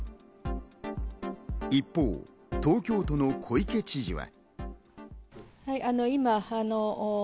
一方、東京都の小池知事は。